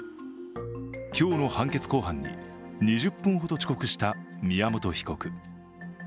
今日の判決公判に２０分ほど遅刻した宮本被告。